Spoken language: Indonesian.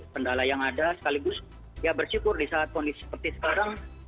kendala yang ada sekaligus ya bersyukur di saat kondisi seperti sekarang